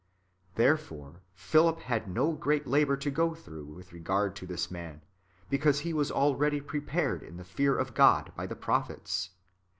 Therefore Philip had no great labour to go through with regard to this man, because he was already prepared in the fear of God by the prophets.